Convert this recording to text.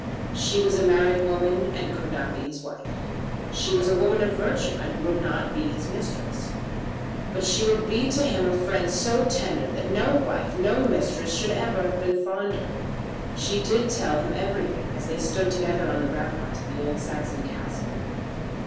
She was a married woman, and could not be his wife. She was a woman of virtue, and would not be his mistress. But she would be to him a friend so tender that no wife, no mistress should ever have been fonder! She did tell him everything as they stood together on the ramparts of the old Saxon castle.